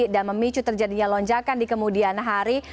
dan memicu terjadinya lonjakan di kemudian hari